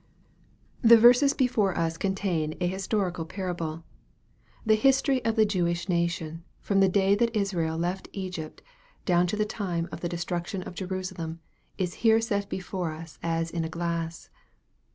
MARK, CHAP. XII. 247 THE verses before us contain an historical parable. The history of the Jewish nation, from the day that Israel left Egypt down to the time of the destruction of Jeru salem, is here set before us as in a glass.